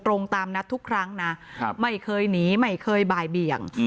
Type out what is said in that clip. ตามนัดทุกครั้งนะไม่เคยหนีไม่เคยบ่ายเบี่ยง